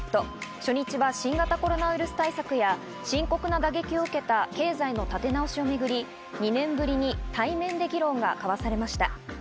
初日は新型コロナウイルス対策や深刻な打撃を受けた経済の立て直しをめぐり、２年ぶりに対面で議論が交わされました。